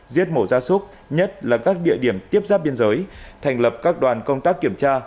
giết mổ ra súc nhất là các địa điểm tiếp giáp biên giới thành lập các đoàn công tác kiểm tra